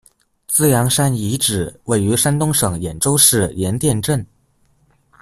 滋阳山遗址，位于山东省兖州市颜店镇。